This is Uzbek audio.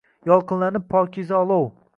Yolqinlanib pokiza olov.